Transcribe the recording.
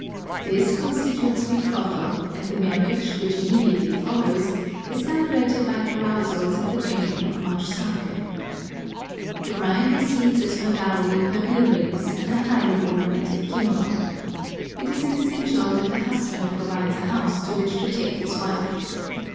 This constitutes betrothal, and the marriage, which immediately follows, is celebrated by carousals and the drinking of much saké. The bride receives as her dowry her earrings and a highly ornamented kimono. It is an essential that the husband provides a house to which to take his wife.